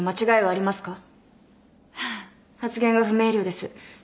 発言が不明瞭です。